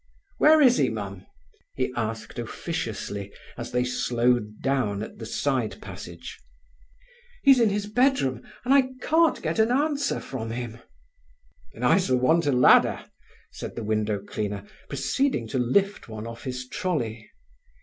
"Where is he, Mum?" he asked officiously, as they slowed down at the side passage. "He's in his bedroom, and I can't get an answer from him." "Then I s'll want a ladder," said the window cleaner, proceeding to lift one off his trolley.